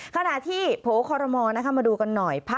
ขณะที่โผล่คอรมอลมาดูกันหน่อย